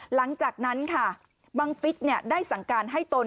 หลังจากนั้นบังฟิษธิ์ได้สังการให้ตน